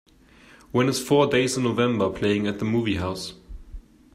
When is Four Days in November playing at the movie house?